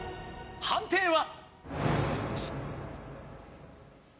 判定は？